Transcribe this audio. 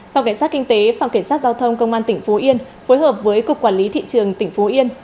phòng cảnh sát kinh tế phòng cảnh sát giao thông công an tp yên phối hợp với cục quản lý thị trường tp yên